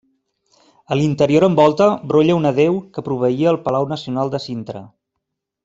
A l'interior en volta, brolla una deu que proveïa el palau Nacional de Sintra.